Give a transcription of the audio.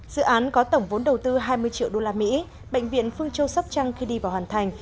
dự án có tổng vốn đầu tư hai mươi triệu usd bệnh viện phương châu sóc trăng khi đi vào hoàn thành